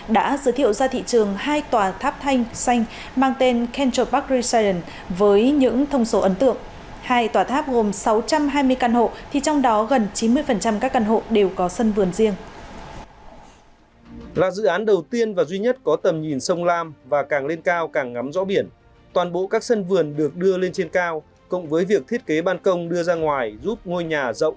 đã giới thiệu ra thị trường hai tòa tháp xanh mang tên kentropark residence với những thông số ấn tượng